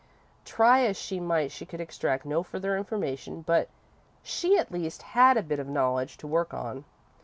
Try as she might, she could extract no further information, but she at least had a bit of knowledge to work on.